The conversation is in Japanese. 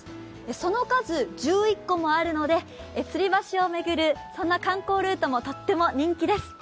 その数、１１個もあるので、つり橋を巡る観光ルートもとっても人気です。